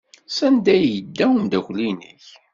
Sanda ay yedda umeddakel-nnek?